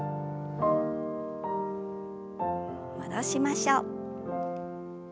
戻しましょう。